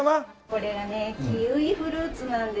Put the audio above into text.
これがねキウイフルーツなんです。